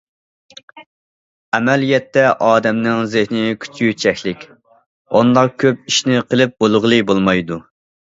ئەمەلىيەتتە ئادەمنىڭ زېھنى كۈچى چەكلىك، ئۇنداق كۆپ ئىشنى قىلىپ بولغىلى بولمايدۇ.